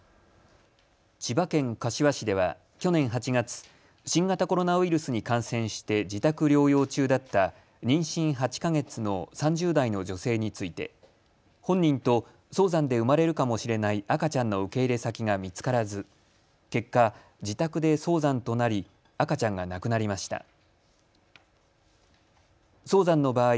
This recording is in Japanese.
千葉県柏市では去年８月、新型コロナウイルスに感染して自宅療養中だった妊娠８か月の３０代の女性について本人と早産で産まれるかもしれない赤ちゃんの受け入れ先が見つからず結果、自宅で早産となり赤ちゃんが亡くなりました。